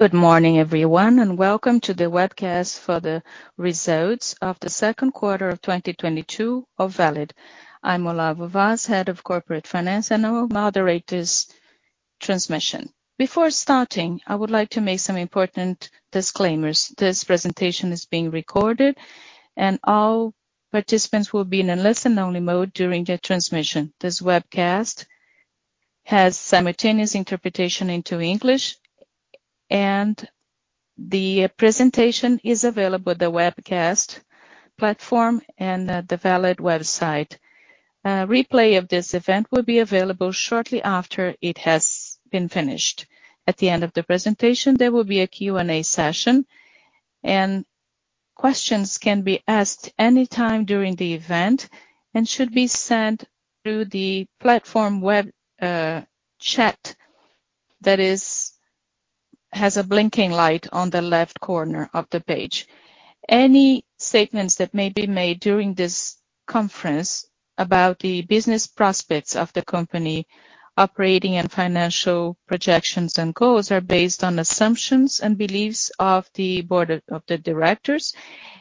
Good morning everyone, and welcome to the webcast for the results of the second quarter of 2022 of Valid. I'm Olavo Vaz, Head of Corporate Finance, and I will moderate this transmission. Before starting, I would like to make some important disclaimers. This presentation is being recorded and all participants will be in a listen-only mode during the transmission. This webcast has simultaneous interpretation into English, and the presentation is available at the webcast platform and at the Valid website. Replay of this event will be available shortly after it has been finished. At the end of the presentation, there will be a Q&A session, and questions can be asked anytime during the event and should be sent through the platform web chat that has a blinking light on the left corner of the page. Any statements that may be made during this conference about the business prospects of the company operating and financial projections and goals are based on assumptions and beliefs of the board of directors,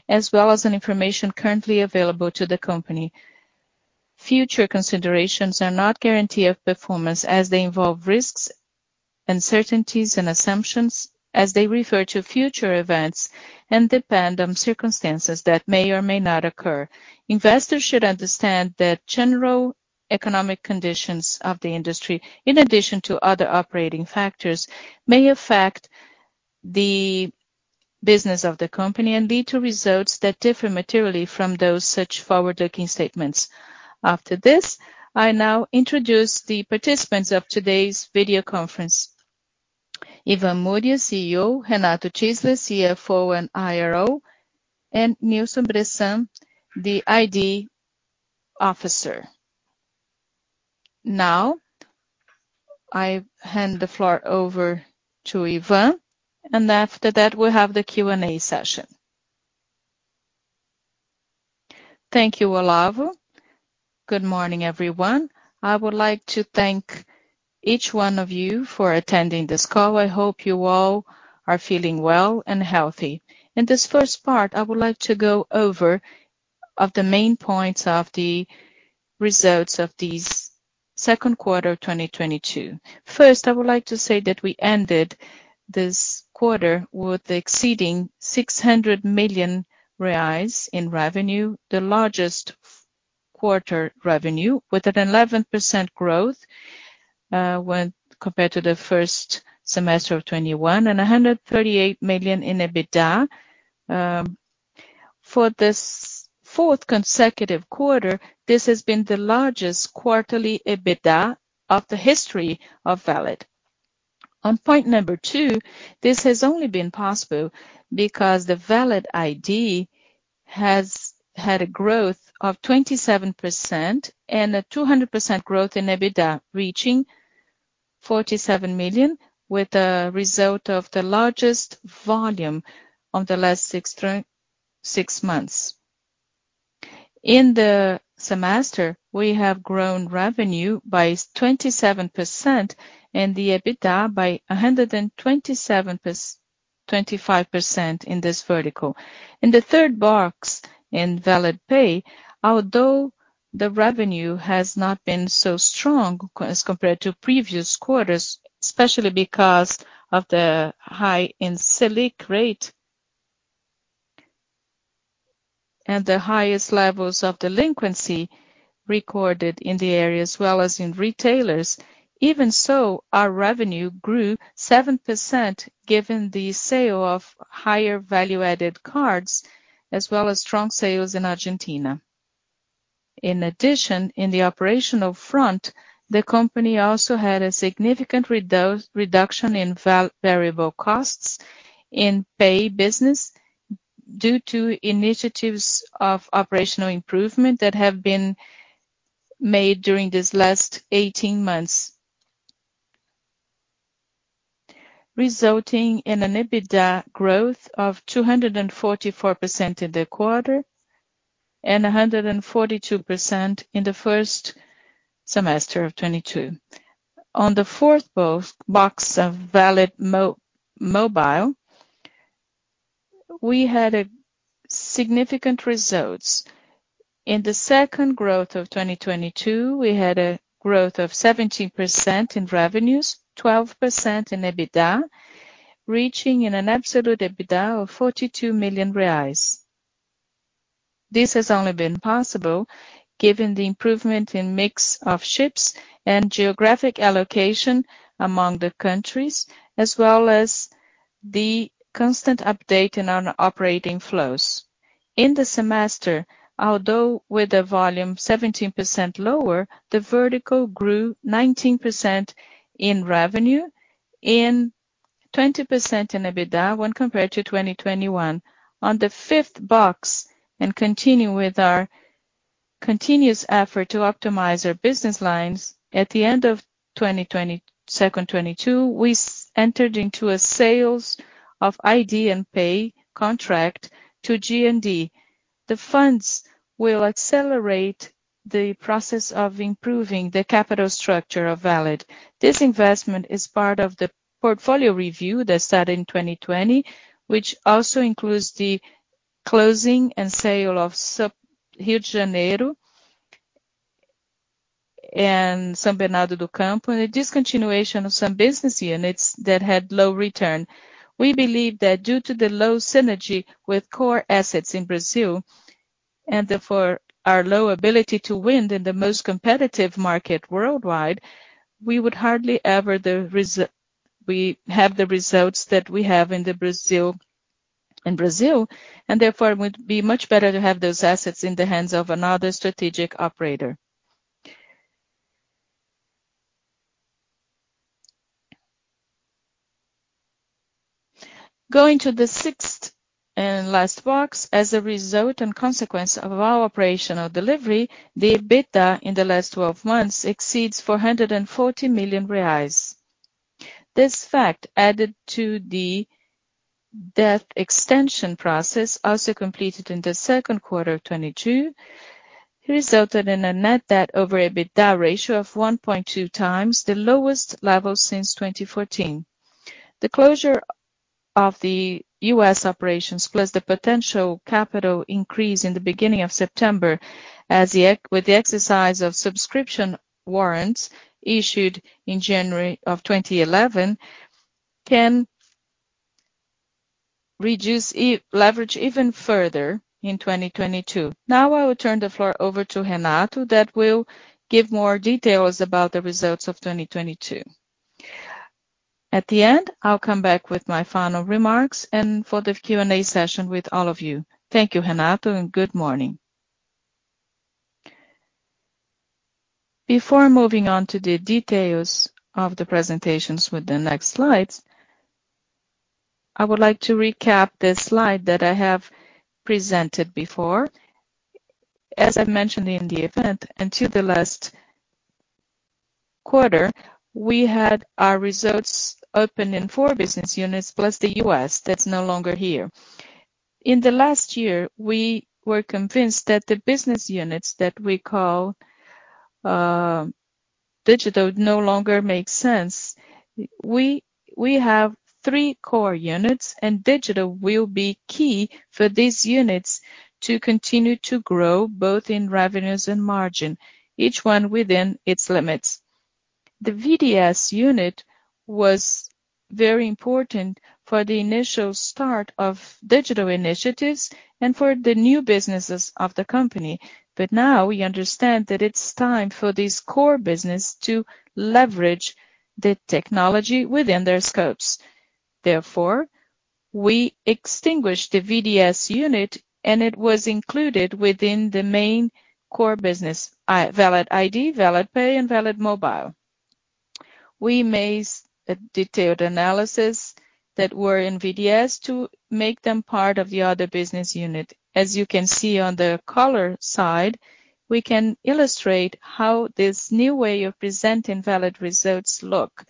as well as the information currently available to the company. Future considerations are not guarantee of performance as they involve risks, uncertainties and assumptions as they refer to future events and depend on circumstances that may or may not occur. Investors should understand that general economic conditions of the industry, in addition to other operating factors, may affect the business of the company and lead to results that differ materially from those such forward-looking statements. After this, I now introduce the participants of today's video conference. Ivan Murias, CEO, Renato Tyszler, CFO and IRO, and Ilson Bressan, the ID officer. Now, I hand the floor over to Ivan, and after that, we'll have the Q&A session. Thank you, Olavo. Good morning, everyone. I would like to thank each one of you for attending this call. I hope you all are feeling well and healthy. In this first part, I would like to go over the main points of the results of this second quarter of 2022. First, I would like to say that we ended this quarter with exceeding 600 million reais in revenue, the largest quarterly revenue with an 11% growth, when compared to the first semester of 2021 and 138 million in EBITDA. For this fourth consecutive quarter, this has been the largest quarterly EBITDA in the history of Valid. On point number 2, this has only been possible because the Valid ID has had a growth of 27% and a 200% growth in EBITDA, reaching 47 million, with the result of the largest volume of the last 6 months. In the semester, we have grown revenue by 27% and the EBITDA by 25% in this vertical. In the third box, in Valid Pay, although the revenue has not been so strong as compared to previous quarters, especially because of the hike in Selic rate and the highest levels of delinquency recorded in the area as well as in retailers. Even so, our revenue grew 7% given the sale of higher value-added cards as well as strong sales in Argentina. In addition, in the operational front, the company also had a significant reduction in variable costs in Pay business due to initiatives of operational improvement that have been made during these last eighteen months, resulting in an EBITDA growth of 244% in the quarter and 142% in the first semester of 2022. On the fourth box of Valid Mobile, we had significant results. In the second quarter of 2022, we had a growth of 17% in revenues, 12% in EBITDA, reaching an absolute EBITDA of 42 million reais. This has only been possible given the improvement in mix of ships and geographic allocation among the countries, as well as the constant update in our operating flows. In the semester, although with the volume 17% lower, the vertical grew 19% in revenue and 20% in EBITDA when compared to 2021. On the fifth box, continuing with our continuous effort to optimize our business lines, at the end of 2022, we entered into a sale of ID and Pay contract to G+D. The funds will accelerate the process of improving the capital structure of Valid. This investment is part of the portfolio review that started in 2020, which also includes the closing and sale of subsidiaries in Rio de Janeiro and São Bernardo do Campo, and the discontinuation of some business units that had low return. We believe that due to the low synergy with core assets in Brazil, and therefore our low ability to win in the most competitive market worldwide, we would hardly ever have the results that we have in Brazil, and therefore it would be much better to have those assets in the hands of another strategic operator. Going to the sixth and last box. As a result and consequence of our operational delivery, the EBITDA in the last 12 months exceeds 440 million reais. This fact, added to the debt extension process also completed in the second quarter of 2022, resulted in a net debt over EBITDA ratio of 1.2x, the lowest level since 2014. The closure of the U.S. operations plus the potential capital increase in the beginning of September as with the exercise of subscription warrants issued in January 2011 can reduce leverage even further in 2022. Now I will turn the floor over to Renato that will give more details about the results of 2022. At the end, I'll come back with my final remarks and for the Q&A session with all of you. Thank you, Ivan, and good morning. Before moving on to the details of the presentations with the next slides, I would like to recap this slide that I have presented before. As I mentioned in the event, until the last quarter, we had our results open in 4 business units plus the U.S., that's no longer here. In the last year, we were convinced that the business units that we call digital no longer make sense. We have three core units, and digital will be key for these units to continue to grow both in revenues and margin, each one within its limits. The VDS unit was very important for the initial start of digital initiatives and for the new businesses of the company. Now we understand that it's time for this core business to leverage the technology within their scopes. Therefore, we extinguished the VDS unit and it was included within the main core business, Valid ID, Valid Pay and Valid Mobile. We made a detailed analysis that were in VDS to make them part of the other business unit. As you can see on the slide, we can illustrate how this new way of presenting Valid results look.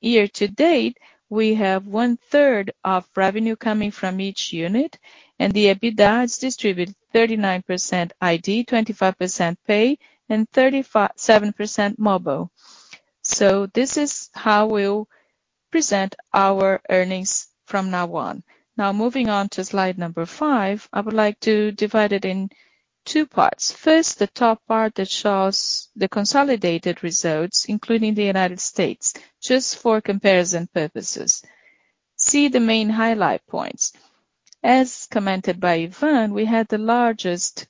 Year to date, we have 1/3 of revenue coming from each unit, and the EBITDA is distributed 39% ID, 25% Pay, and 37% Mobile. This is how we'll present our earnings from now on. Now, moving on to slide number 5. I would like to divide it in 2 parts. First, the top part that shows the consolidated results, including the United States, just for comparison purposes. See the main highlight points. As commented by Ivan Murias, we had the largest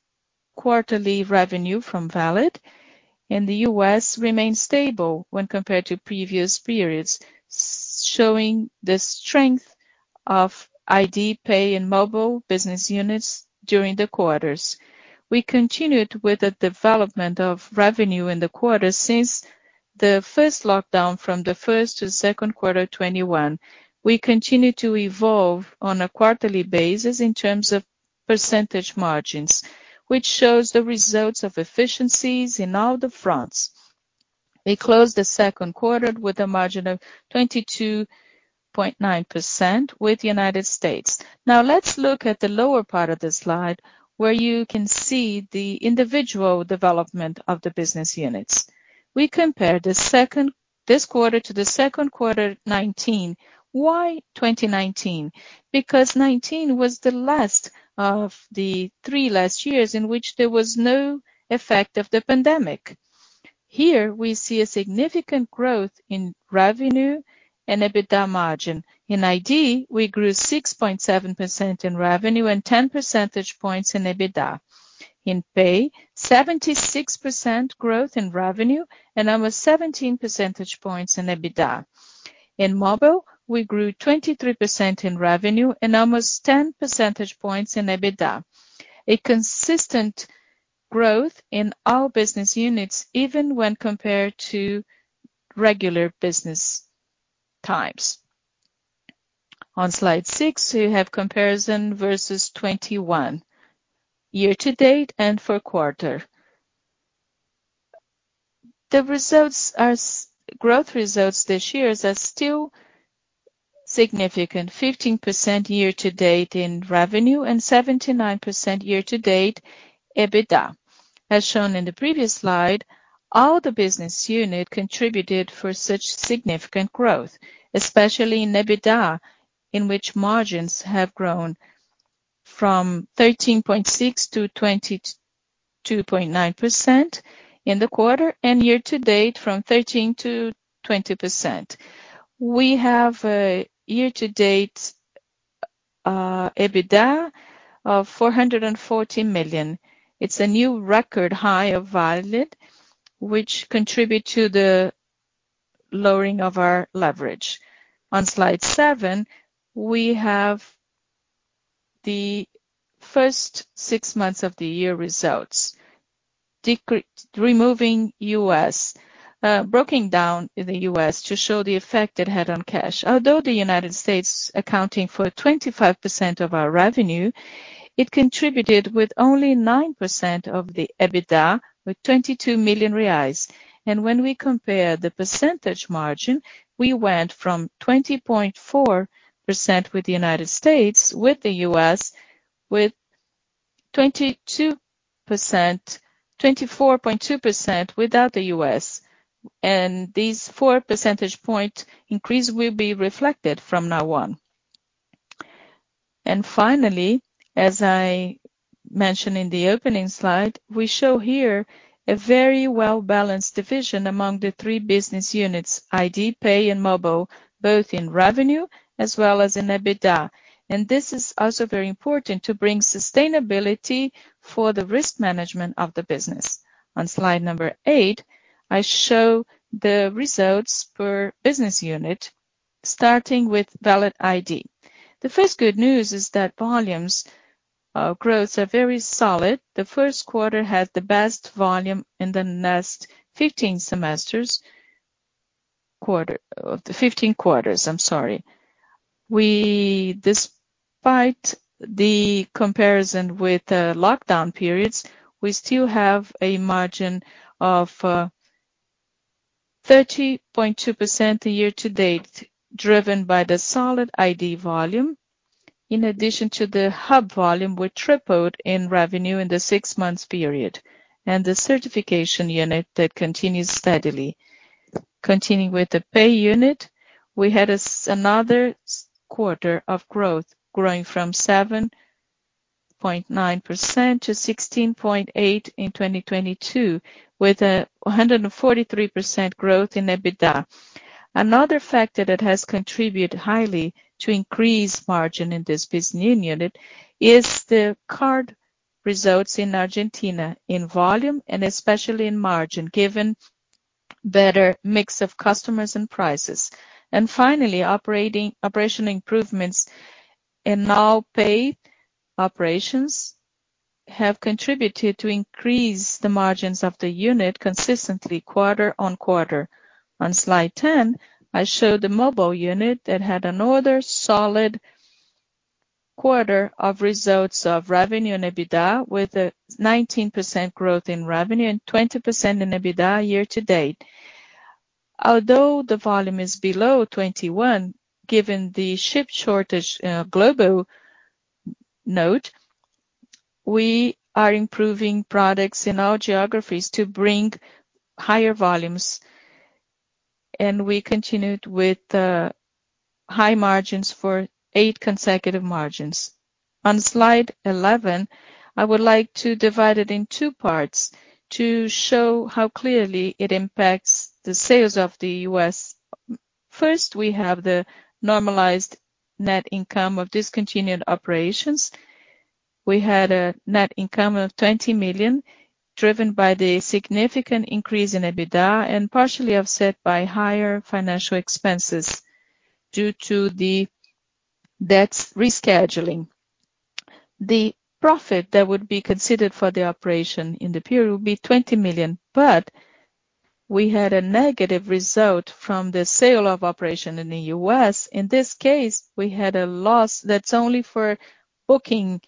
quarterly revenue from Valid, and the U.S. remained stable when compared to previous periods, showing the strength of ID, Pay and Mobile business units during the quarters. We continued with the development of revenue in the quarter since the first lockdown from the first to second quarter 2021. We continue to evolve on a quarterly basis in terms of percentage margins, which shows the results of efficiencies in all the fronts. We closed the second quarter with a margin of 22.9% with the United States. Now let's look at the lower part of the slide, where you can see the individual development of the business units. We compare this quarter to the second quarter 2019. Why 2019? Because 2019 was the last of the three last years in which there was no effect of the pandemic. Here we see a significant growth in revenue and EBITDA margin. In ID, we grew 6.7% in revenue and ten percentage points in EBITDA. In Pay, 76% growth in revenue and almost seventeen percentage points in EBITDA. In Mobile, we grew 23% in revenue and almost ten percentage points in EBITDA. A consistent growth in all business units even when compared to regular business times. On slide six, we have comparison versus 2021 year-to-date and for quarter. The results are strong growth results this year are still significant. 15% year-to-date in revenue and 79% year-to-date EBITDA. As shown in the previous slide, all the business unit contributed for such significant growth, especially in EBITDA, in which margins have grown from 13.6% to 22.9% in the quarter and year-to-date from 13% to 20%. We have a year-to-date EBITDA of 440 million. It's a new record high of Valid which contribute to the lowering of our leverage. On slide seven, we have the first six months of the year results. Removing US, breaking down the US to show the effect it had on cash. Although the United States accounting for 25% of our revenue, it contributed with only 9% of the EBITDA with 22 million reais. When we compare the percentage margin, we went from 20.4% with the United States, with the U.S., with 22%—24.2% without the U.S. These 4 percentage point increase will be reflected from now on. Finally, as I mentioned in the opening slide, we show here a very well-balanced division among the three business units ID, Pay and Mobile, both in revenue as well as in EBITDA. This is also very important to bring sustainability for the risk management of the business. On slide number eight, I show the results per business unit, starting with Valid ID. The first good news is that volumes, growths are very solid. The first quarter had the best volume in the last 15 quarters. I'm sorry. Despite the comparison with the lockdown periods, we still have a margin of 30.2% year-to-date, driven by the solid ID volume. In addition to the hub volume, we tripled in revenue in the six months period and the certification unit that continues steadily. Continuing with the Pay unit, we had another quarter of growth growing from 7.9% to 16.8% in 2022, with a 143% growth in EBITDA. Another factor that has contributed highly to increase margin in this business unit is the card results in Argentina in volume and especially in margin, given better mix of customers and prices. Finally, operation improvements in Valid Pay operations have contributed to increase the margins of the unit consistently quarter on quarter. On slide 10, I show the mobile unit that had another solid quarter of results of revenue and EBITDA, with a 19% growth in revenue and 20% in EBITDA year-to-date. Although the volume is below 2021, given the chip shortage, global note, we are improving products in all geographies to bring higher volumes, and we continued with the high margins for eight consecutive quarters. On slide 11, I would like to divide it in two parts to show how clearly it impacts the sales of the US. First, we have the normalized net income of discontinued operations. We had a net income of 20 million, driven by the significant increase in EBITDA and partially offset by higher financial expenses due to the debt rescheduling. The profit that would be considered for the operation in the period will be 20 million. We had a negative result from the sale of operation in the US. In this case, we had a loss that's only for booking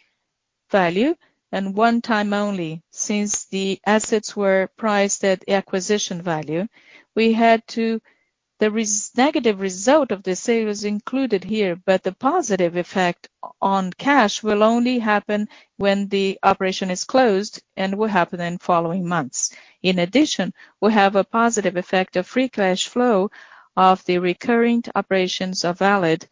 value and one time only. Since the assets were priced at acquisition value, negative result of the sale is included here, but the positive effect on cash will only happen when the operation is closed and will happen in following months. In addition, we have a positive effect of free cash flow of the recurring operations of Valid.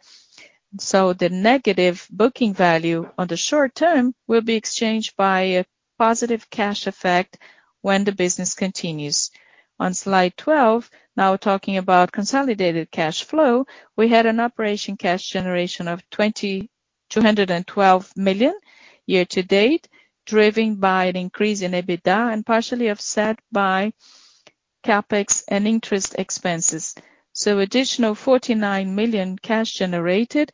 The negative booking value on the short term will be exchanged by a positive cash effect when the business continues. On slide 12. Now talking about consolidated cash flow. We had an operating cash generation of 212 million year-to-date, driven by an increase in EBITDA and partially offset by CapEx and interest expenses. Additional 49 million cash generated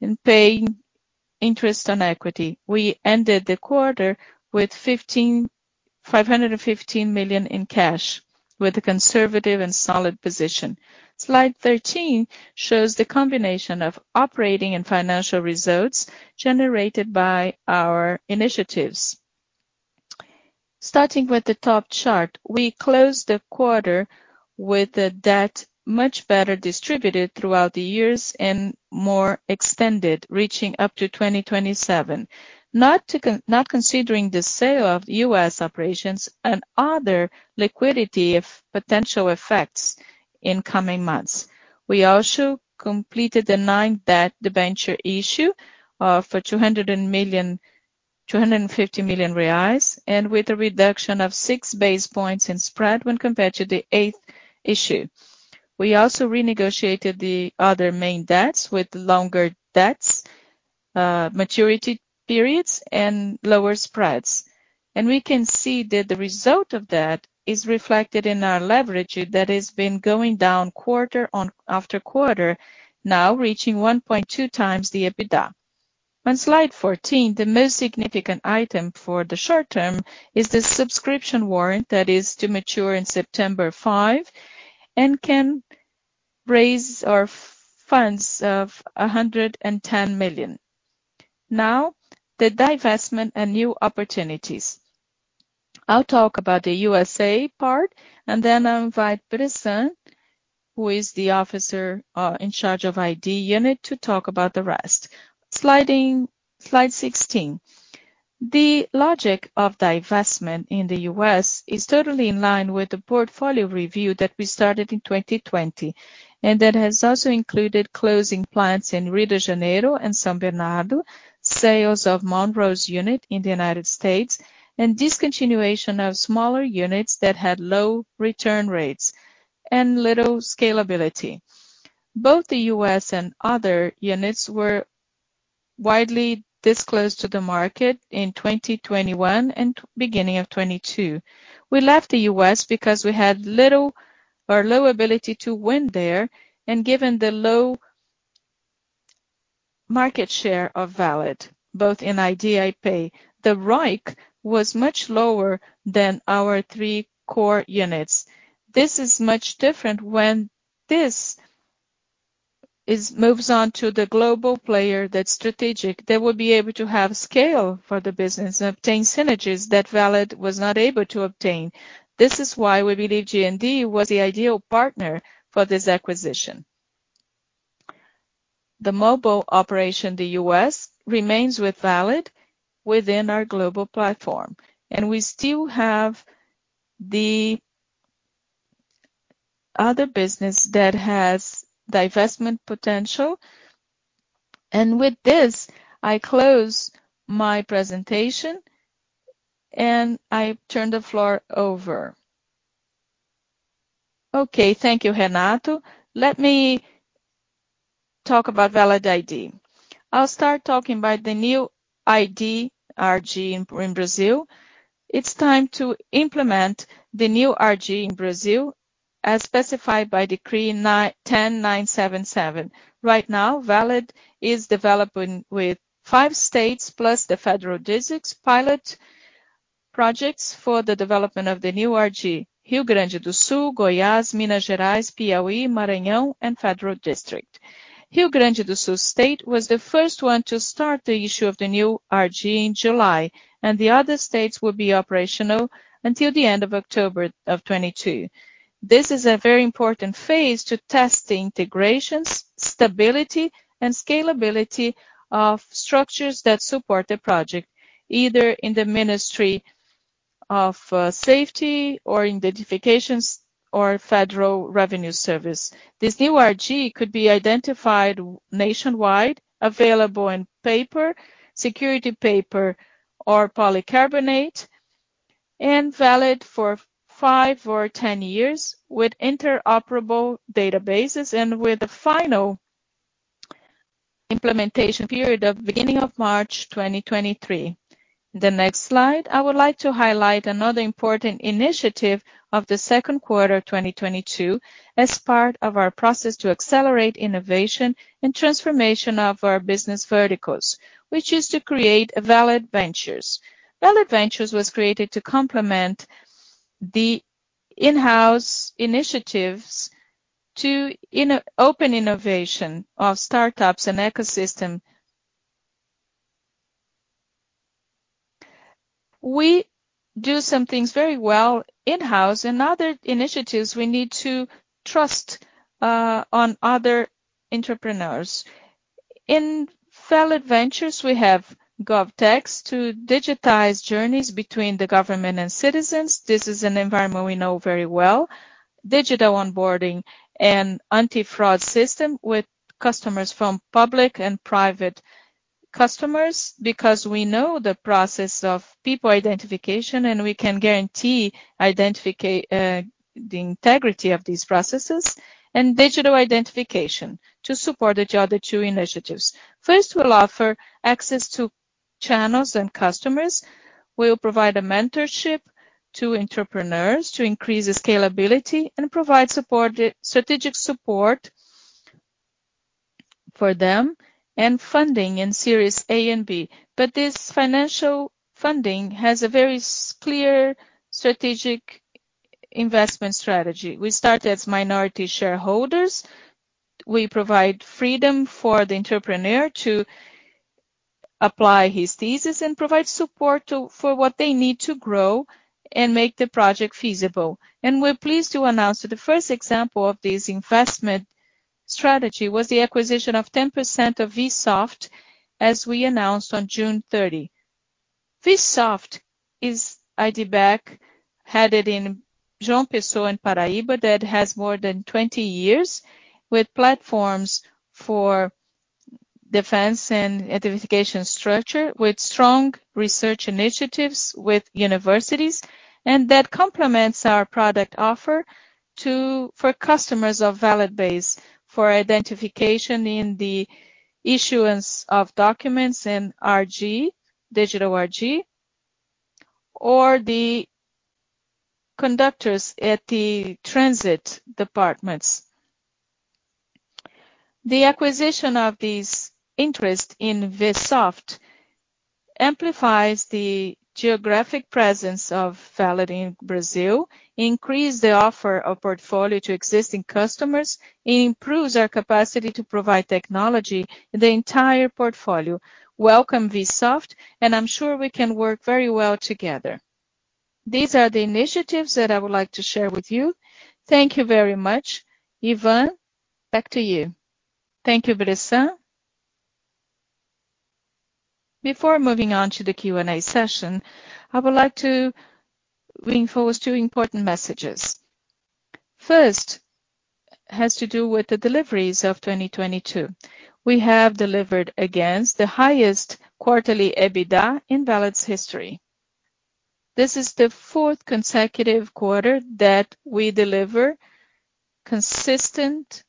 in paying interest on equity. We ended the quarter with 155 million in cash with a conservative and solid position. Slide 13 shows the combination of operating and financial results generated by our initiatives. Starting with the top chart, we closed the quarter with the debt much better distributed throughout the years and more extended, reaching up to 2027. Not considering the sale of US operations and other liquidity or potential effects in coming months. We also completed the ninth debenture issue for 250 million reais, and with a reduction of 6 basis points in spread when compared to the eighth issue. We also renegotiated the other main debts with longer maturity periods and lower spreads. We can see that the result of that is reflected in our leverage that has been going down after quarter, now reaching 1.2x the EBITDA. On slide 14, the most significant item for the short term is the subscription warrant that is to mature in September 2025 and can raise funds of 110 million. Now, the divestment and new opportunities. I'll talk about the USA part and then invite Ilson Bressan, who is the officer in charge of ID unit, to talk about the rest. Slide 16. The logic of divestment in the U.S. is totally in line with the portfolio review that we started in 2020, and that has also included closing plants in Rio de Janeiro and São Bernardo, sales of Monroe unit in the United States, and discontinuation of smaller units that had low return rates and little scalability. Both the U.S. and other units were widely disclosed to the market in 2021 and beginning of 2022. We left the U.S. because we had little or low ability to win there and given the low market share of Valid, both in ID, Pay. The ROIC was much lower than our three core units. This is much different when this moves on to the global player that's strategic. They will be able to have scale for the business and obtain synergies that Valid was not able to obtain. This is why we believe G+D was the ideal partner for this acquisition. The mobile operation, the US remains with Valid within our global platform. We still have the other business that has divestment potential. With this, I close my presentation and I turn the floor over. Okay, thank you, Renato. Let me talk about Valid ID. I'll start talking about the new ID RG in Brazil. It's time to implement the new RG in Brazil as specified by Decree Nº 10.977. Right now, Valid is developing with five states plus the Federal District's pilot projects for the development of the new RG. Rio Grande do Sul, Goiás, Minas Gerais, Piauí, Maranhão, and Federal District. Rio Grande do Sul state was the first one to start the issue of the new RG in July, and the other states will be operational until the end of October 2022. This is a very important phase to test the integrations, stability, and scalability of structures that support the project, either in the Ministry of Safety or Identifications or Federal Revenue Service. This new RG could be identified nationwide, available in paper, security paper or polycarbonate, and valid for 5 or 10 years with interoperable databases and with a final implementation period of beginning of March 2023. The next slide, I would like to highlight another important initiative of the second quarter 2022 as part of our process to accelerate innovation and transformation of our business verticals, which is to create a Valid Ventures. Valid Ventures was created to complement the in-house initiatives to open innovation of startups and ecosystem. We do some things very well in-house. In other initiatives, we need to trust on other entrepreneurs. In Valid Ventures, we have GovTech to digitize journeys between the government and citizens. This is an environment we know very well. Digital onboarding and anti-fraud system with customers from public and private customers because we know the process of people identification, and we can guarantee the integrity of these processes and digital identification to support the other two initiatives. First, we'll offer access to channels and customers. We'll provide a mentorship to entrepreneurs to increase the scalability and provide strategic support for them and funding in Series A and B. This financial funding has a very clear strategic investment strategy. We start as minority shareholders. We provide freedom for the entrepreneur to apply his thesis and provide support to, for what they need to grow and make the project feasible. We're pleased to announce that the first example of this investment strategy was the acquisition of 10% of Vsoft, as we announced on June 30. Vsoft is IDTech, headquartered in João Pessoa in Paraíba that has more than 20 years with platforms for defense and identification infrastructure, with strong research initiatives with universities. That complements our product offer to, for customers of Valid base for identification in the issuance of documents in RG, digital RG, or the CNH at the transit departments. The acquisition of this interest in Vsoft amplifies the geographic presence of Valid in Brazil, increase the offer of portfolio to existing customers, it improves our capacity to provide technology in the entire portfolio. Welcome, Vsoft, and I'm sure we can work very well together. These are the initiatives that I would like to share with you. Thank you very much. Ivan, back to you. Thank you, Ilson Bressan. Before moving on to the Q&A session, I would like to reinforce two important messages. First has to do with the deliveries of 2022. We have delivered against the highest quarterly EBITDA in Valid's history. This is the fourth consecutive quarter that we deliver consistent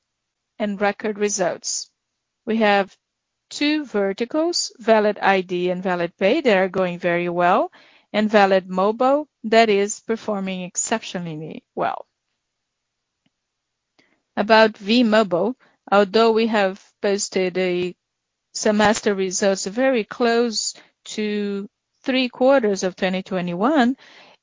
and record results. We have two verticals, Valid ID and Valid Pay. They are going very well. Valid Mobile, that is performing exceptionally well. About Valid Mobile, although we have posted a semester results very close to three quarters of 2021,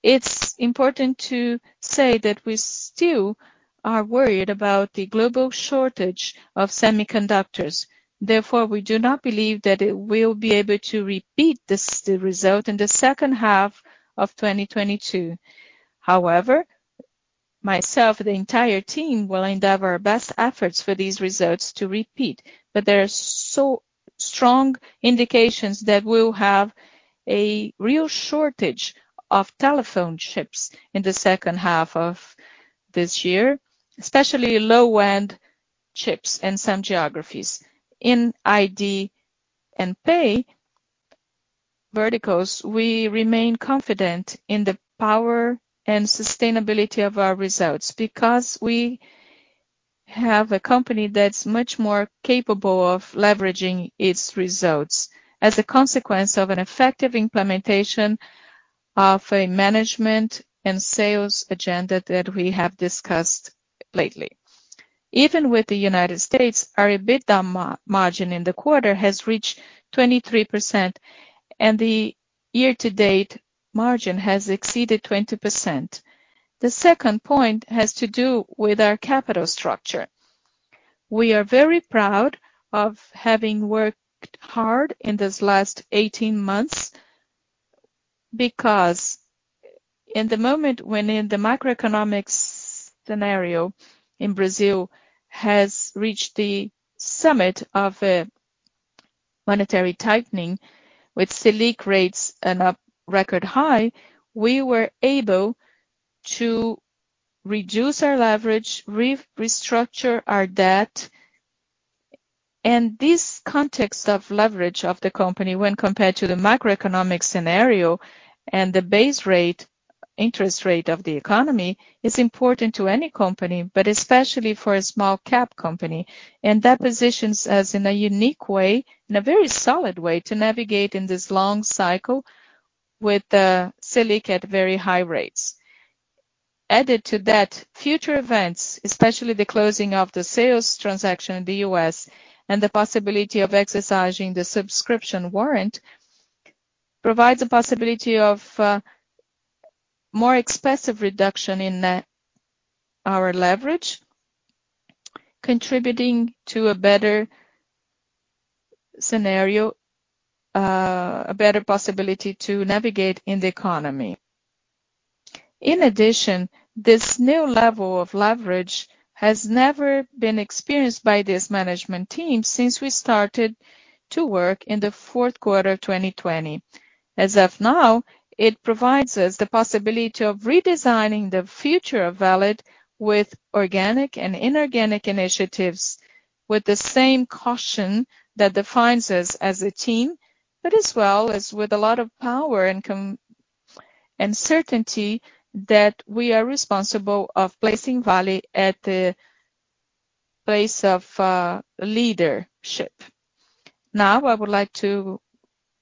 it's important to say that we still are worried about the global shortage of semiconductors. Therefore, we do not believe that it will be able to repeat this result in the second half of 2022. However, myself, the entire team will endeavor our best efforts for these results to repeat. There are so strong indications that we'll have a real shortage of telephone chips in the second half of this year, especially low-end chips in some geographies. In ID and Pay verticals, we remain confident in the power and sustainability of our results because we have a company that's much more capable of leveraging its results as a consequence of an effective implementation of a management and sales agenda that we have discussed lately. Even with the United States, our EBITDA margin in the quarter has reached 23%, and the year-to-date margin has exceeded 20%. The second point has to do with our capital structure. We are very proud of having worked hard in this last 18 months because in the moment when in the macroeconomic scenario in Brazil has reached the summit of a monetary tightening with Selic rates in a record high, we were able to reduce our leverage, restructure our debt. This context of leverage of the company when compared to the macroeconomic scenario and the base rate, interest rate of the economy is important to any company, but especially for a small cap company. That positions us in a unique way, in a very solid way to navigate in this long cycle with the Selic at very high rates. Added to that, future events, especially the closing of the sales transaction in the U.S. and the possibility of exercising the subscription warrant, provides a possibility of more expressive reduction in our leverage, contributing to a better scenario, a better possibility to navigate in the economy. In addition, this new level of leverage has never been experienced by this management team since we started to work in the fourth quarter of 2020. As of now, it provides us the possibility of redesigning the future of Valid with organic and inorganic initiatives with the same caution that defines us as a team, but as well as with a lot of power and confidence and certainty that we are responsible of placing Valid at the place of leadership. Now, I would like to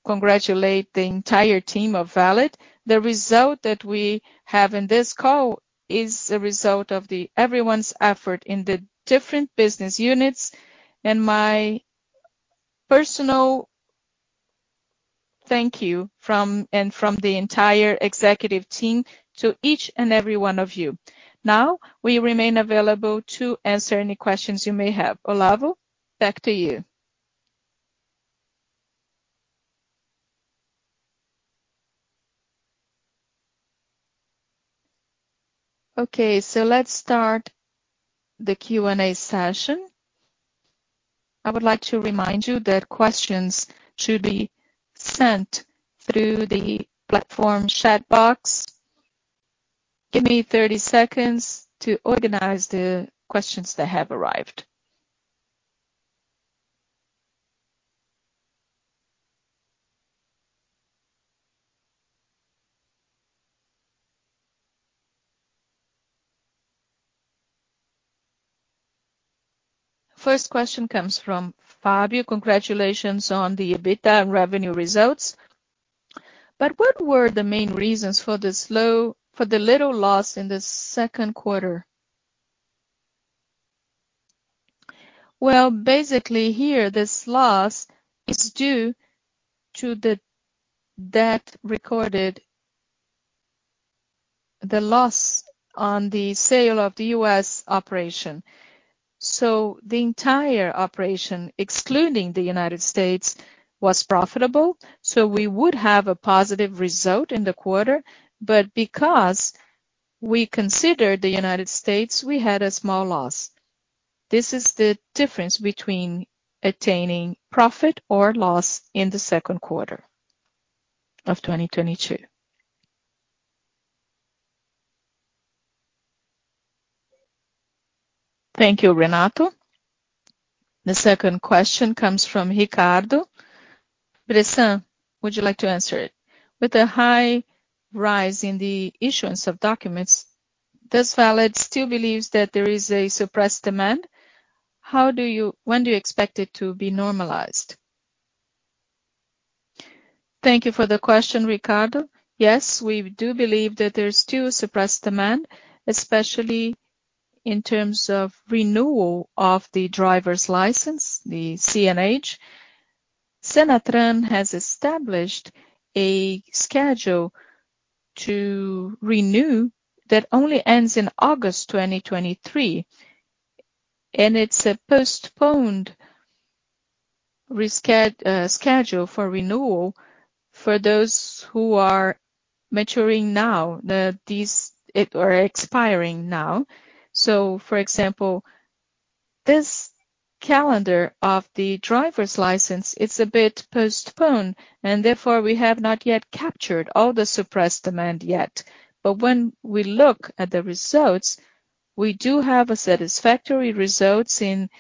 congratulate the entire team of Valid. The result that we have in this call is a result of everyone's effort in the different business units. My personal thank you from the entire executive team to each and every one of you. Now, we remain available to answer any questions you may have. Olavo, back to you. Okay, let's start the Q&A session. I would like to remind you that questions should be sent through the platform chat box. Give me 30 seconds to organize the questions that have arrived. First question comes from Fabio. Congratulations on the EBITDA and revenue results. What were the main reasons for the little loss in the second quarter? Well, basically here, this loss is due to the loss recorded on the sale of the U.S. operation. The entire operation, excluding the United States, was profitable. We would have a positive result in the quarter, but because we considered the United States, we had a small loss. This is the difference between attaining profit or loss in the second quarter of 2022. Thank you, Renato. The second question comes from Ricardo. Bressan, would you like to answer it? With a high rise in the issuance of documents, does Valid still believes that there is a suppressed demand? When do you expect it to be normalized? Thank you for the question, Ricardo. Yes, we do believe that there's still suppressed demand, especially in terms of renewal of the driver's license, the CNH. SENATRAN has established a schedule to renew that only ends in August 2023, and it's a postponed schedule for renewal for those who are maturing now. These are expiring now. For example, this calendar of the driver's license is a bit postponed and therefore we have not yet captured all the suppressed demand yet. When we look at the results, we do have a satisfactory results in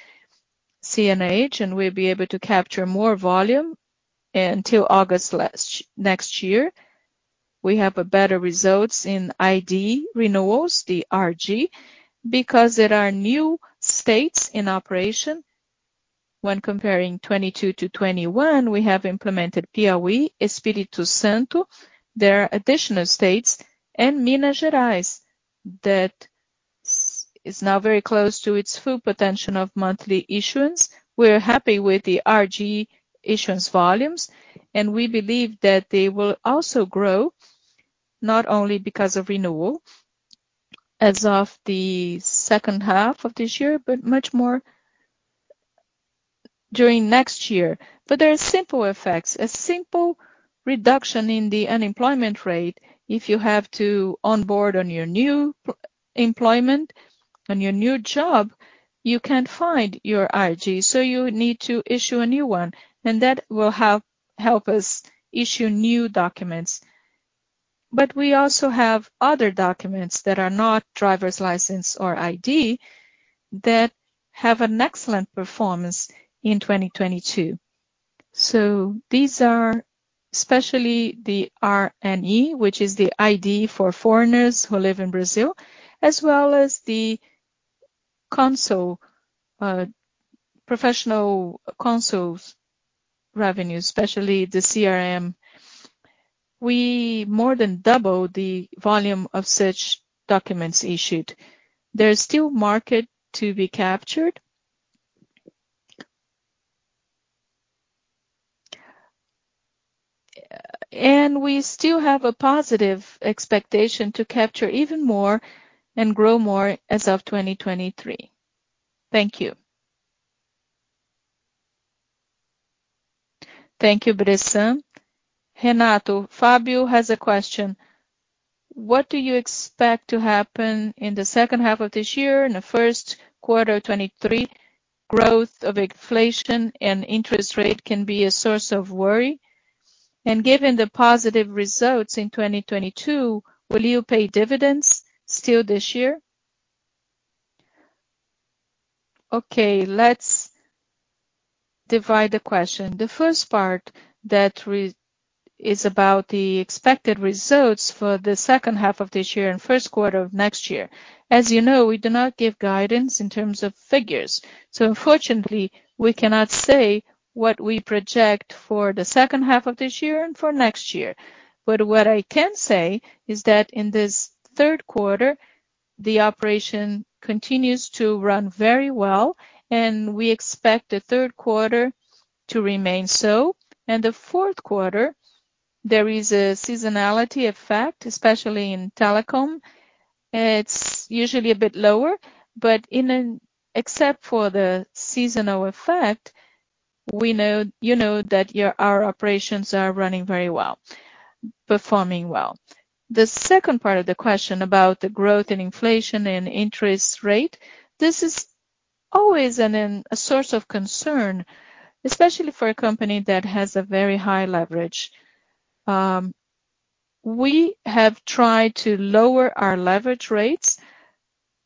CNH, and we'll be able to capture more volume until August next year. We have a better results in ID renewals, the RG, because there are new states in operation. When comparing 2022 to 2021, we have implemented Piauí, Espírito Santo. There are additional states and Minas Gerais that is now very close to its full potential of monthly issuance. We're happy with the RG issuance volumes, and we believe that they will also grow, not only because of renewal as of the second half of this year, but much more during next year. There are simple effects. A simple reduction in the unemployment rate. If you have to onboard on your new employment, on your new job, you can't find your RG, so you need to issue a new one, and that will help us issue new documents. We also have other documents that are not driver's license or ID that have an excellent performance in 2022. These are especially the RNE, which is the ID for foreigners who live in Brazil, as well as the Conselhos Regionais, professional councils revenue, especially the CRM. We more than double the volume of such documents issued. There is still market to be captured. We still have a positive expectation to capture even more and grow more as of 2023. Thank you. Thank you, Bressan. Renato, Fabio has a question. What do you expect to happen in the second half of this year, in the first quarter of 2023? Growth of inflation and interest rate can be a source of worry. Given the positive results in 2022, will you pay dividends still this year? Okay, let's divide the question. The first part that is about the expected results for the second half of this year and first quarter of next year. As you know, we do not give guidance in terms of figures, so unfortunately, we cannot say what we project for the second half of this year and for next year. What I can say is that in this third quarter. The operation continues to run very well, and we expect the third quarter to remain so. The fourth quarter, there is a seasonality effect, especially in telecom. It's usually a bit lower, but except for the seasonal effect, our operations are running very well, performing well. The second part of the question about the growth in inflation and interest rate, this is always a source of concern, especially for a company that has a very high leverage. We have tried to lower our leverage rates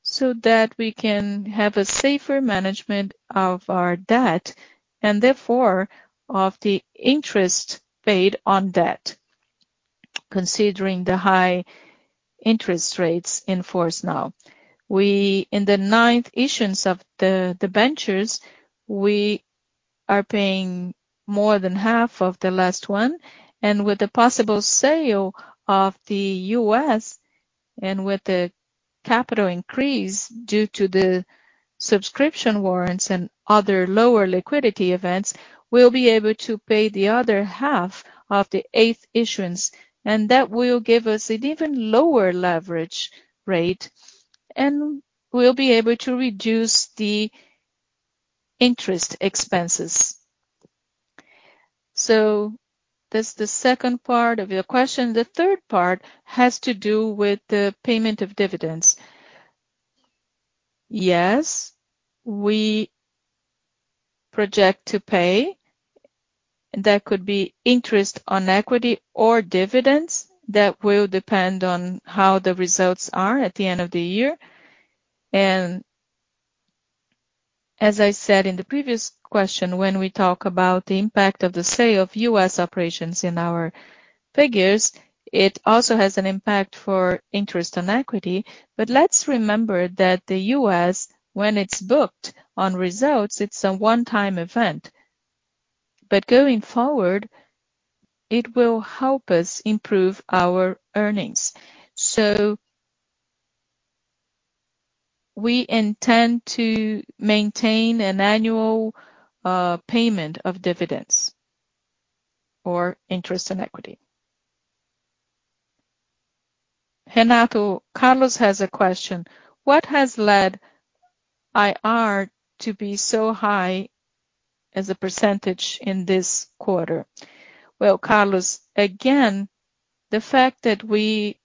so that we can have a safer management of our debt, and therefore of the interest paid on debt, considering the high interest rates in force now. In the ninth issuance of the debentures, we are paying more than half of the last one. With the possible sale of the US, and with the capital increase due to the subscription warrants and other lower liquidity events, we'll be able to pay the other half of the eighth issuance. That will give us an even lower leverage rate, and we'll be able to reduce the interest expenses. That's the second part of your question. The third part has to do with the payment of dividends. Yes, we project to pay. That could be interest on equity or dividends. That will depend on how the results are at the end of the year. As I said in the previous question, when we talk about the impact of the sale of U.S. operations in our figures, it also has an impact for interest and equity. Let's remember that the U.S., when it's booked on results, it's a one-time event. Going forward, it will help us improve our earnings. We intend to maintain an annual payment of dividends or interest and equity. Renato, Carlos has a question. What has led IR to be so high as a percentage in this quarter? Well, Carlos, again, the fact that we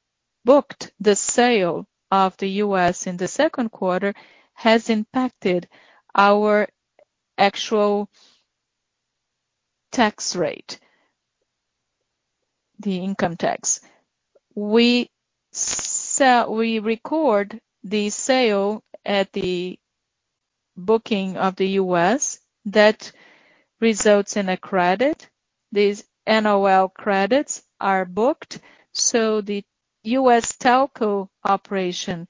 booked the sale of the U.S. in the second quarter has impacted our actual tax rate, the income tax. We record the sale at the booking of the U.S. that results in a credit. These NOL credits are booked, so the U.S. telco operation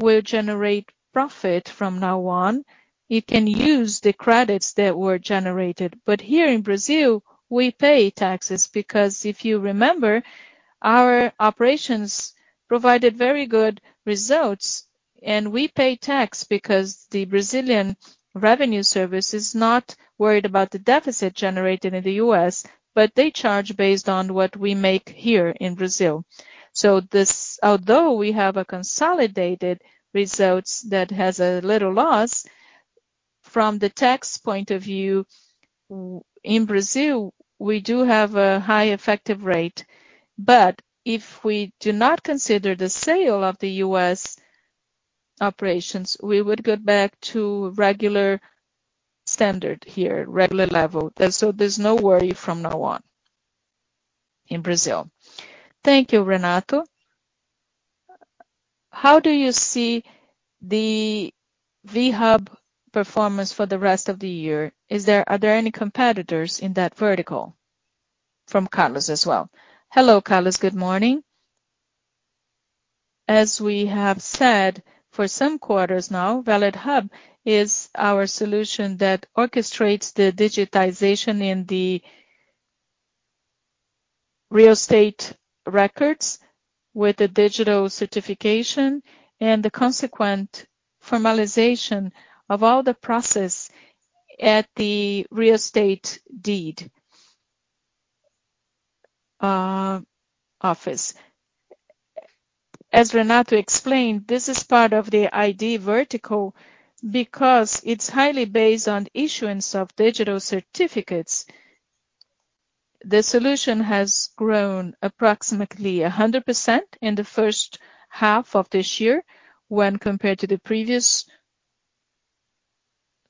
will generate profit from now on. It can use the credits that were generated. But here in Brazil, we pay taxes because if you remember, our operations provided very good results, and we pay tax because the Brazilian Revenue Service is not worried about the deficit generated in the U.S., but they charge based on what we make here in Brazil. Although we have consolidated results that has a little loss, from the tax point of view in Brazil, we do have a high effective rate. If we do not consider the sale of the US operations, we would go back to regular standard here, regular level. There's no worry from now on in Brazil. Thank you. Renato. How do you see the Valid Hub performance for the rest of the year? Are there any competitors in that vertical? From Carlos as well. Hello, Carlos. Good morning. As we have said for some quarters now, Valid Hub is our solution that orchestrates the digitization in the real estate records with the digital certification and the consequent formalization of all the process at the real estate deed office. As Renato explained, this is part of the ID vertical because it's highly based on issuance of digital certificates. The solution has grown approximately 100% in the first half of this year when compared to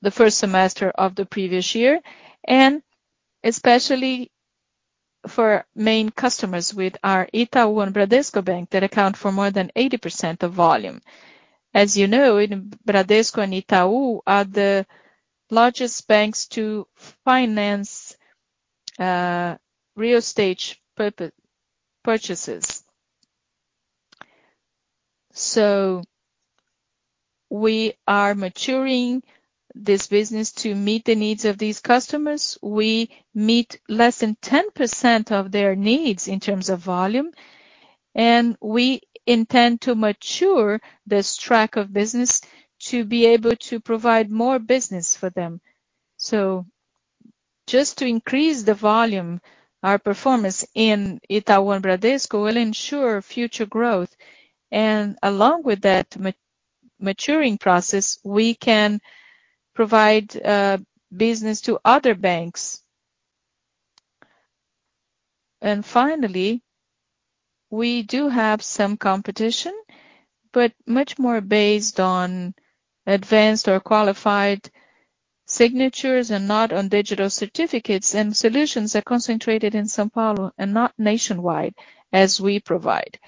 the first semester of the previous year, and especially for main customers with our Itaú and Bradesco Bank that account for more than 80% of volume. As you know, Bradesco and Itaú are the largest banks to finance real estate purchases. We are maturing this business to meet the needs of these customers. We meet less than 10% of their needs in terms of volume, and we intend to mature this track of business to be able to provide more business for them. Just to increase the volume, our performance in Itaú and Bradesco will ensure future growth. Along with that maturing process, we can provide business to other banks. Finally, we do have some competition, but much more based on advanced or qualified signatures and not on digital certificates. Solutions are concentrated in São Paulo and not nationwide as we provide.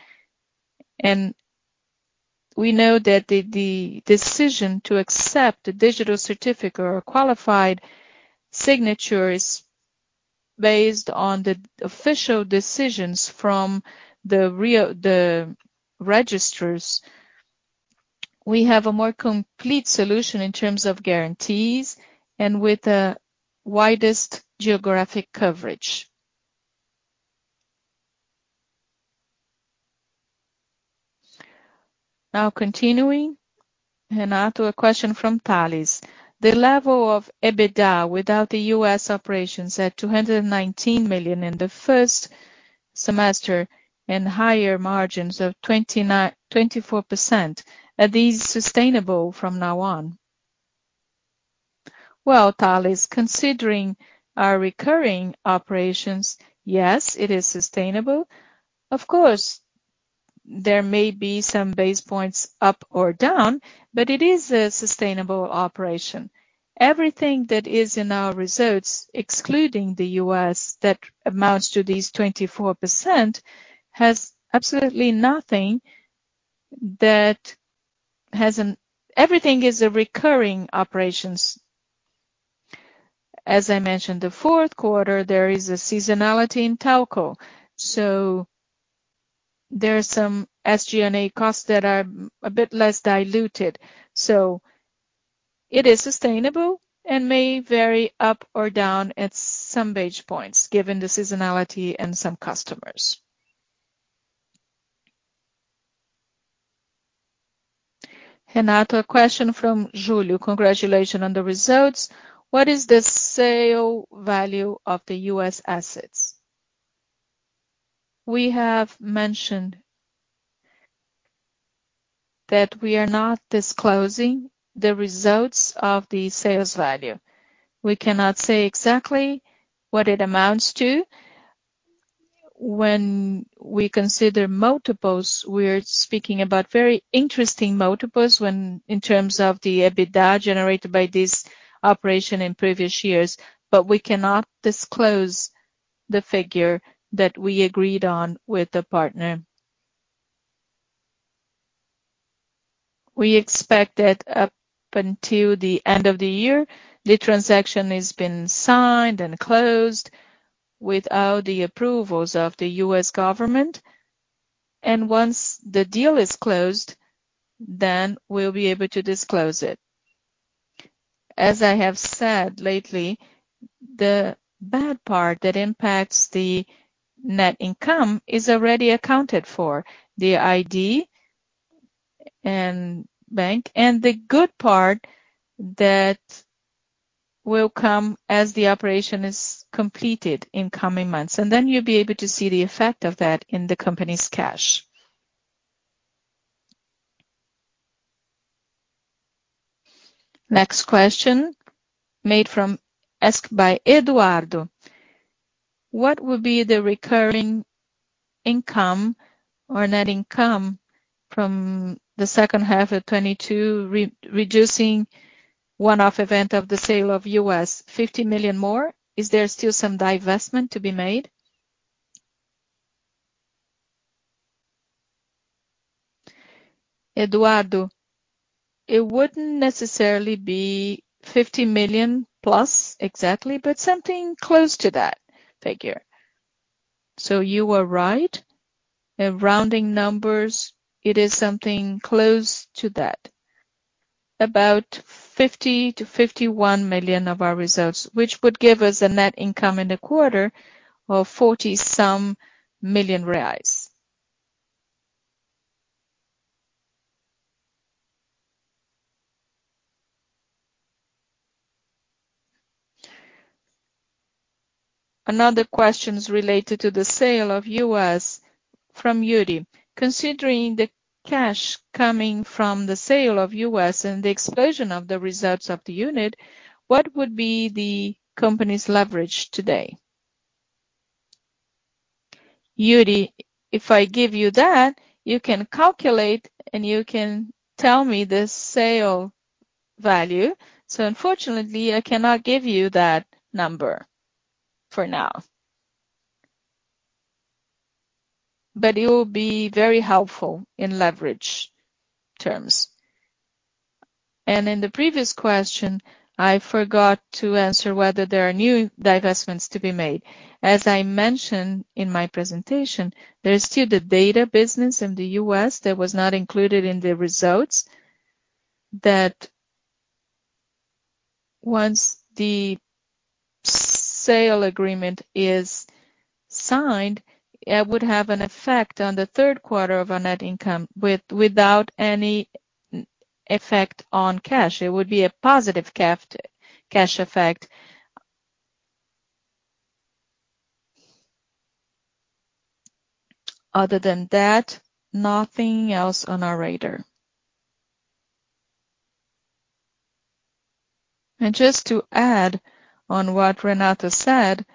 We know that the decision to accept the digital certificate or qualified signature is based on the official decisions from the registers. We have a more complete solution in terms of guarantees and with the widest geographic coverage. Now continuing, Renato, a question from Thales. The level of EBITDA without the U.S. operations at 219 million in the first semester and higher margins of 24%. Are these sustainable from now on? Well, Thales, considering our recurring operations, yes, it is sustainable. Of course, there may be some basis points up or down, but it is a sustainable operation. Everything that is in our results, excluding the US, that amounts to these 24%, has absolutely nothing that hasn't. Everything is a recurring operations. As I mentioned, the fourth quarter there is a seasonality in Telco, so there are some SG&A costs that are a bit less diluted. It is sustainable and may vary up or down at some basis points given the seasonality and some customers. Renato, a question from Julio. Congratulations on the results. What is the sale value of the US assets? We have mentioned that we are not disclosing the results of the sales value. We cannot say exactly what it amounts to. When we consider multiples, we're speaking about very interesting multiples when in terms of the EBITDA generated by this operation in previous years. We cannot disclose the figure that we agreed on with the partner. We expect that up until the end of the year, the transaction has been signed and closed without the approvals of the U.S. government, and once the deal is closed, then we'll be able to disclose it. As I have said lately, the bad part that impacts the net income is already accounted for, the ID and bank. The good part that will come as the operation is completed in coming months, and then you'll be able to see the effect of that in the company's cash. Next question asked by Eduardo. What would be the recurring income or net income from the second half of 2022 reducing one-off event of the sale of U.S. $50 million more? Is there still some divestment to be made? Eduardo, it wouldn't necessarily be 50 million plus exactly, but something close to that figure. You are right. In rounding numbers, it is something close to that. About 50 million-51 million of our results, which would give us a net income in the quarter of 40-some million reais. Another question is related to the sale of US from Yuri. Considering the cash coming from the sale of US and the exclusion of the results of the unit, what would be the company's leverage today? Yuri, if I give you that, you can calculate and you can tell me the sale value. Unfortunately, I cannot give you that number for now. It will be very helpful in leverage terms. In the previous question, I forgot to answer whether there are new divestments to be made. As I mentioned in my presentation, there is still the data business in the U.S. that was not included in the results, that once the sale agreement is signed, it would have an effect on the third quarter of our net income without any effect on cash. It would be a positive cash effect. Other than that, nothing else on our radar. Just to add on what Renato said.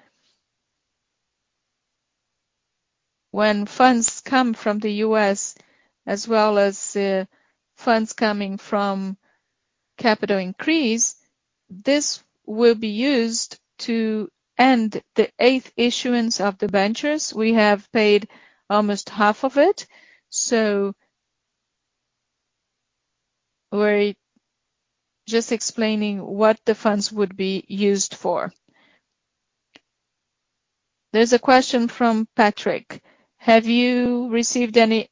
When funds come from the U.S. as well as funds coming from capital increase, this will be used to end the eighth issuance of debentures. We have paid almost half of it. We're just explaining what the funds would be used for. There's a question from Patrick. Have you received any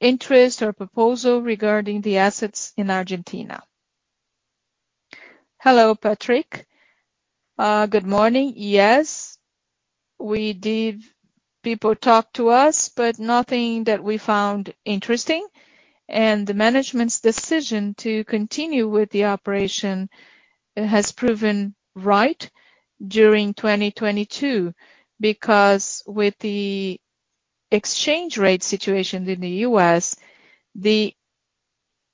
interest or proposal regarding the assets in Argentina? Hello, Patrick. Good morning. Yes, we did. People talked to us, but nothing that we found interesting. The management's decision to continue with the operation has proven right during 2022. Because with the exchange rate situation in the US, the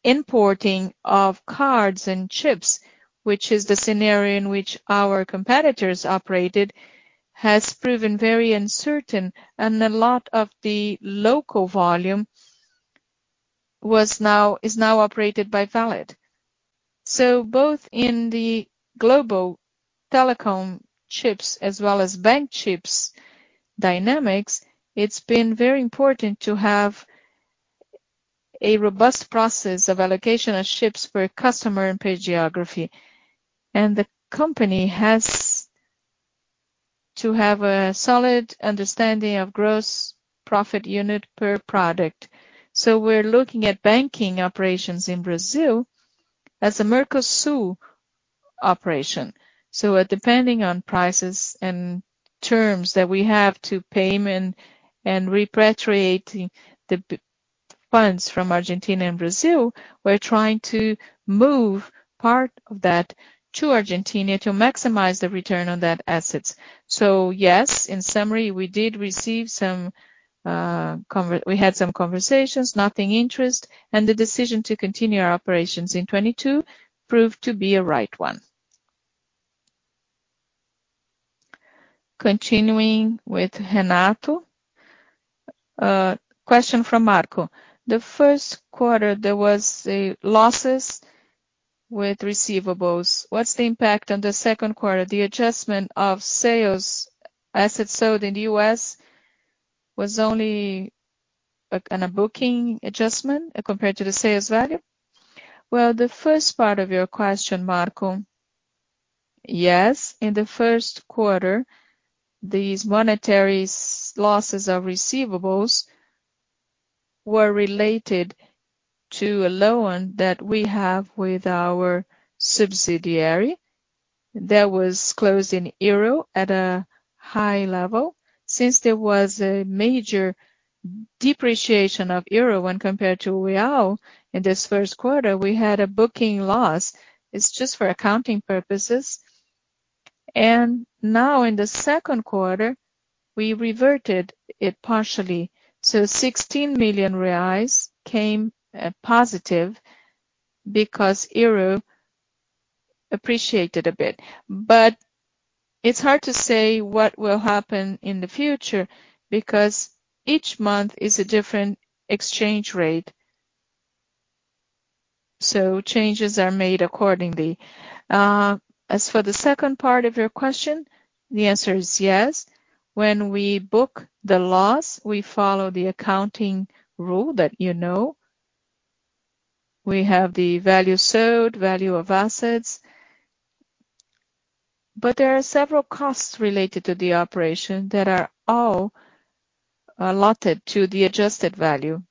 importing of cards and chips, which is the scenario in which our competitors operated, has proven very uncertain. A lot of the local volume is now operated by Valid. Both in the global telecom chips as well as bank chips dynamics, it's been very important to have a robust process of allocation of chips per customer and per geography. The company has to have a solid understanding of gross profit unit per product. We're looking at banking operations in Brazil as a Mercosul operation. Depending on prices and terms that we have to pay and repatriating the profits from Argentina and Brazil, we're trying to move part of that to Argentina to maximize the return on those assets. Yes, in summary, we did receive some. We had some conversations, nothing of interest. The decision to continue our operations in 2022 proved to be a right one. Continuing with Renato. Question from Marco. The first quarter, there was losses on receivables. What's the impact on the second quarter? The adjustment of sold assets sold in the U.S. was only a kind of booking adjustment compared to the sales value. Well, the first part of your question, Marco. Yes. In the first quarter, these monetary losses of receivables were related to a loan that we have with our subsidiary that was closed in euro at a high level. Since there was a major depreciation of euro when compared to real in this first quarter, we had a booking loss. It's just for accounting purposes. Now in the second quarter, we reverted it partially. 16 million reais came positive because euro appreciated a bit. It's hard to say what will happen in the future because each month is a different exchange rate. Changes are made accordingly. As for the second part of your question, the answer is yes. When we book the loss, we follow the accounting rule that you know. We have the value sold, value of assets. There are several costs related to the operation that are all allotted to the adjusted value.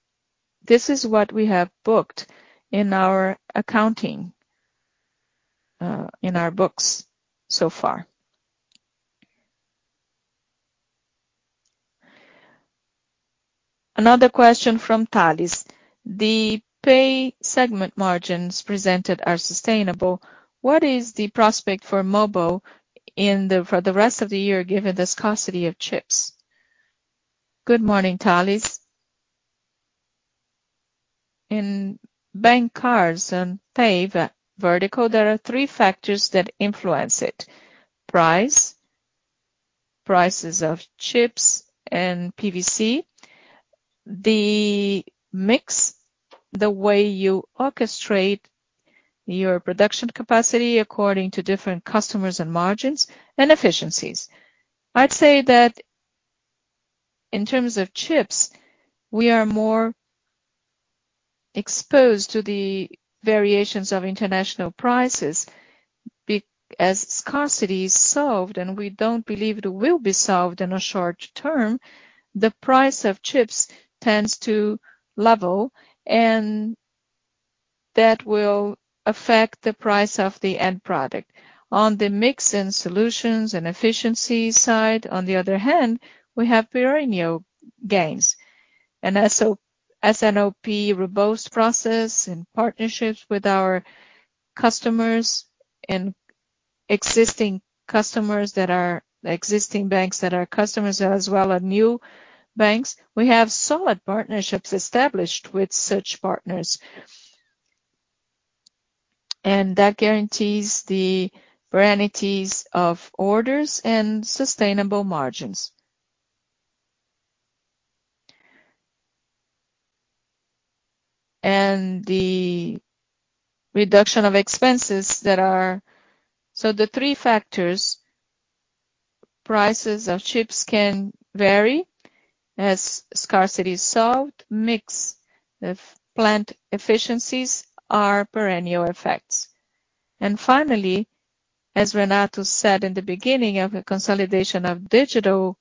This is what we have booked in our accounting, in our books so far. Another question from Thales. The Pay segment margins presented are sustainable. What is the prospect for mobile for the rest of the year given the scarcity of chips? Good morning, Thales. In bank cards and Pay vertical, there are three factors that influence it. Price, prices of chips and PVC. The mix, the way you orchestrate your production capacity according to different customers and margins and efficiencies. I'd say that in terms of chips, we are more exposed to the variations of international prices. As scarcity is solved, and we don't believe it will be solved in a short term, the price of chips tends to level, and that will affect the price of the end product. On the mix and solutions and efficiency side, on the other hand, we have perennial gains. S&OP robust process and partnerships with our customers and existing customers, existing banks that are customers, as well as new banks. We have solid partnerships established with such partners. That guarantees the perpetuity of orders and sustainable margins. The reduction of expenses that are the three factors, prices of chips can vary as scarcity is solved. Mix of plant efficiencies are perennial effects. Finally, as Renato said in the beginning of the consolidation of digital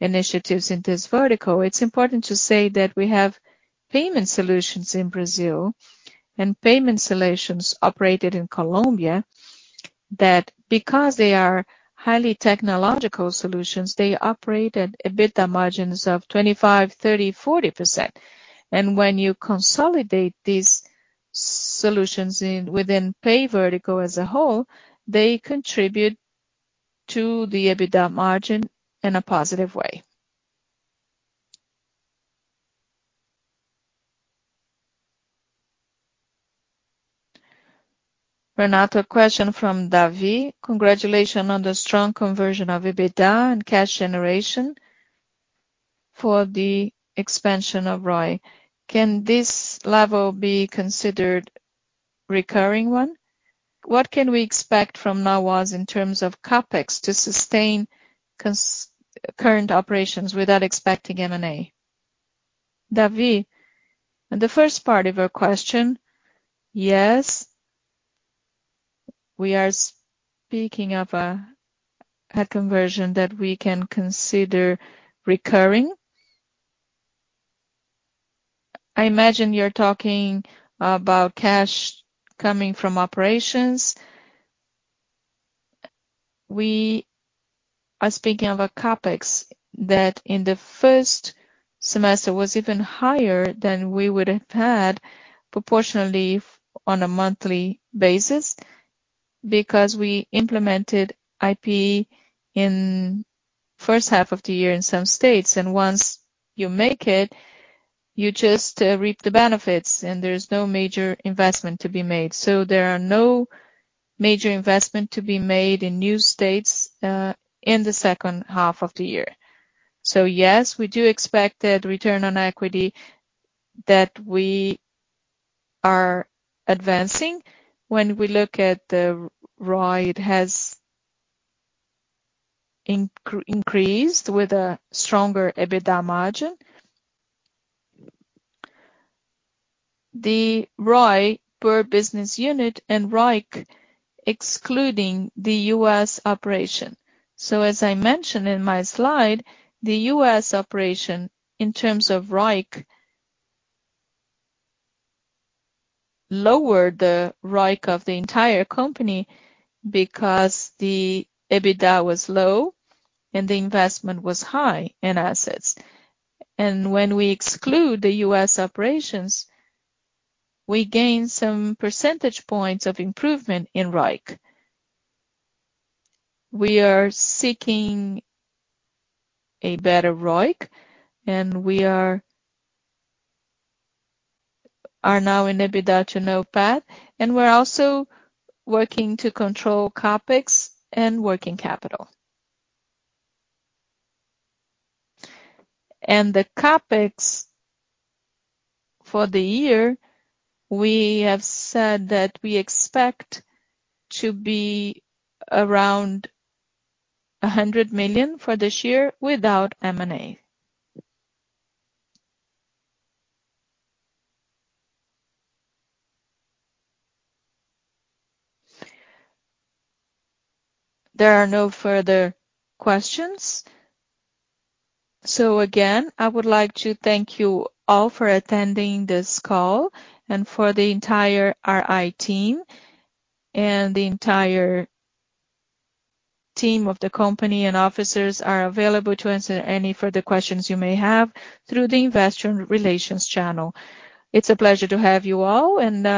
initiatives in this vertical, it's important to say that we have payment solutions in Brazil and payment solutions operated in Colombia, that because they are highly technological solutions, they operate at EBITDA margins of 25%, 30%, 40%. When you consolidate these solutions within Pay vertical as a whole, they contribute to the EBITDA margin in a positive way. Renato, a question from Davi. "Congratulations on the strong conversion of EBITDA and cash generation for the expansion of ROI. Can this level be considered recurring? What can we expect from Valid's in terms of CapEx to sustain current operations without expecting M&A? Davi, the first part of your question, yes. We are speaking of a conversion that we can consider recurring. I imagine you're talking about cash coming from operations. We are speaking of a CapEx that in the first semester was even higher than we would have had proportionally on a monthly basis because we implemented IP in first half of the year in some states. Once you make it, you just reap the benefits and there's no major investment to be made. There are no major investment to be made in new states in the second half of the year. Yes, we do expect that return on equity that we are advancing. When we look at the ROI, it has increased with a stronger EBITDA margin. The ROI per business unit and ROIC excluding the US operation. As I mentioned in my slide, the US operation in terms of ROIC lowered the ROIC of the entire company because the EBITDA was low and the investment was high in assets. When we exclude the US operations, we gain some percentage points of improvement in ROIC. We are seeking a better ROIC, and we are now in EBITDA to NOPAT, and we're also working to control CapEx and working capital. The CapEx for the year, we have said that we expect to be around 100 million for this year without M&A. There are no further questions. Again, I would like to thank you all for attending this call and for the entire RI team and the entire team of the company and officers are available to answer any further questions you may have through the investor relations channel. It's a pleasure to have you all and now.